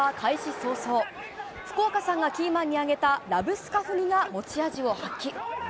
早々福岡さんがキーマンに挙げたラブスカフニが持ち味を発揮。